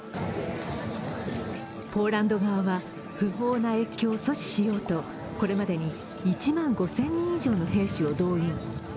ポーランド側は不法な越境を阻止しようとこれまでに１万５０００人以上の兵士を動員。